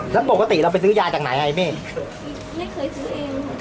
แล้วปกติเราไปซื้อยาจากไหนไงแม่ไม่เคยซื้อเอง